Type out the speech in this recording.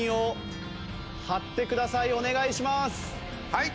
はい！